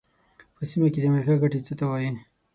په سیمه کې د امریکا ګټې څه ته وایي.